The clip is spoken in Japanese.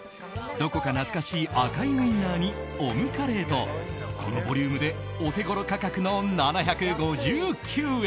どこか懐かしい赤いウインナーにオムカレーとこのボリュームでお手頃価格の７５９円。